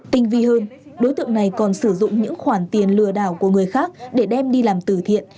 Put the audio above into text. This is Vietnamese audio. tinh vi hơn đối tượng này còn sử dụng những khoản tiền lừa đảo của người khác để đem đi làm tử thiện